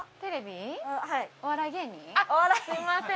あっすいません。